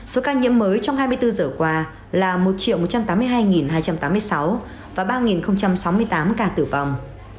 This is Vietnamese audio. số ca nhiễm mới trong hai mươi bốn giờ qua là một một trăm tám mươi hai hai trăm tám mươi sáu và ba sáu mươi tám ca tử vong